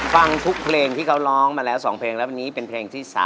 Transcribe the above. ฟังทุกเพลงที่เขาร้องมาแล้ว๒เพลงแล้ววันนี้เป็นเพลงที่๓